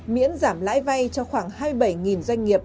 miễn giảm lãi vay cho khoảng hai mươi bảy doanh nghiệp